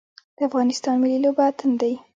د افغانستان ملي لوبه اتن دی